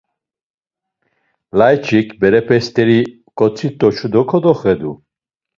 Layç̌ik berepe steri ǩotzit̆oçu do kodoxedu.